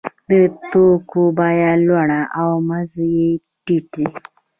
د توکو بیه لوړه او مزد یې ټیټ دی